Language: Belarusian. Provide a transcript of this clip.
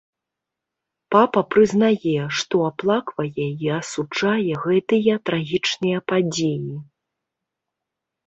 Папа прызнае, што аплаквае і асуджае гэтыя трагічныя падзеі.